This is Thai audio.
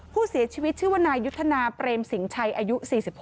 ผู้เสียชีวิตชื่อว่านายยุทธนาเปรมสิงชัยอายุ๔๒